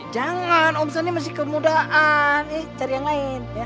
jangan om sani masih kemudahan cari yang lain ya